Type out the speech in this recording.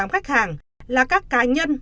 bốn trăm ba mươi tám khách hàng là các cá nhân